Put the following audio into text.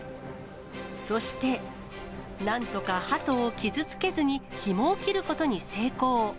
そして、なんとかハトを傷つけずにひもを切ることに成功。